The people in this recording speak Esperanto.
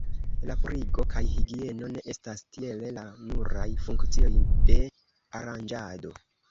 La purigo kaj higieno ne estas tiele la nuraj funkcioj de Aranĝado.